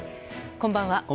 こんばんは。